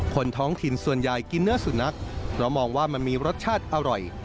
ท้องถิ่นส่วนใหญ่กินเนื้อสุนัขเพราะมองว่ามันมีรสชาติอร่อย